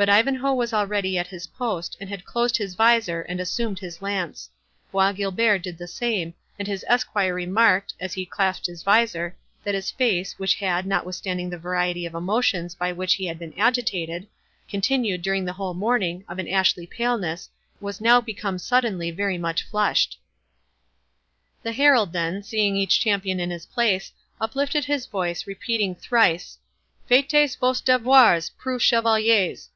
But Ivanhoe was already at his post, and had closed his visor, and assumed his lance. Bois Guilbert did the same; and his esquire remarked, as he clasped his visor, that his face, which had, notwithstanding the variety of emotions by which he had been agitated, continued during the whole morning of an ashy paleness, was now become suddenly very much flushed. The herald, then, seeing each champion in his place, uplifted his voice, repeating thrice—"Faites vos devoirs, preux chevaliers!"